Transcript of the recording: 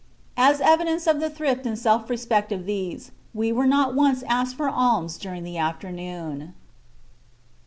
As evidence of the thrift and self respect of these, we were not once asked for alms during the afternoon."